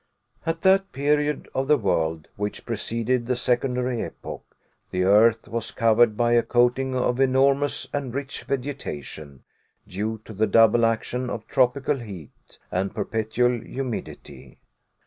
At that period of the world which preceded the secondary epoch, the earth was covered by a coating of enormous and rich vegetation, due to the double action of tropical heat and perpetual humidity.